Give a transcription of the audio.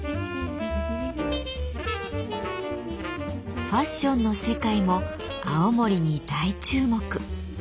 ファッションの世界も青森に大注目。